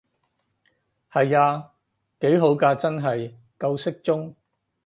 係啊，幾好㗎真係，夠適中